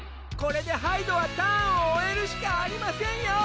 これでハイドはターンを終えるしかありませんよ！